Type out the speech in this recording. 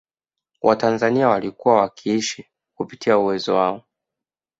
Watanzania walikuwa wakiishi kupita uwezo wao